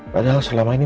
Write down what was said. padahal selama ini